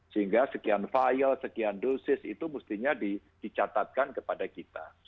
sehingga sekian file sekian dosis itu mestinya dicatatkan kepada kita